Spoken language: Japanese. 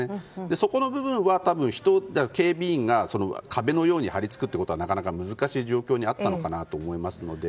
そこの部分は人や警備員が壁のように張り付くというのは難しい状況にあったのかなと思いますので。